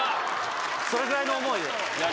それぐらいの思いで。